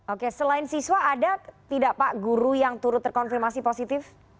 oke selain siswa ada tidak pak guru yang turut terkonfirmasi positif